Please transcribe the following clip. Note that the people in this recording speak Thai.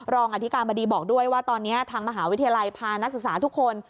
อธิการบดีบอกด้วยว่าตอนนี้ทางมหาวิทยาลัยพานักศึกษาทุกคน